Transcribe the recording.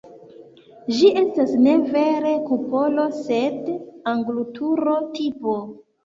Ĝi estas ne vera kupolo, sed angulturo-tipo.